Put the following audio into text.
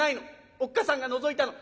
おっ母さんがのぞいたの。